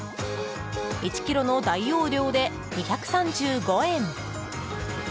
１ｋｇの大容量で２３５円！